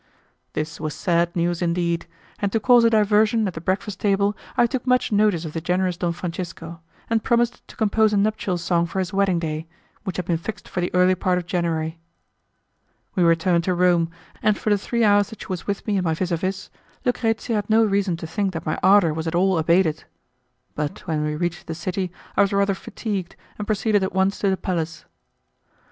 This was sad news indeed, and to cause a diversion at the breakfast table I took much notice of the generous Don Francisco, and promised to compose a nuptial song for his wedding day, which had been fixed for the early part of January. We returned to Rome, and for the three hours that she was with me in my vis a vis, Lucrezia had no reason to think that my ardour was at all abated. But when we reached the city I was rather fatigued, and proceeded at once to the palace.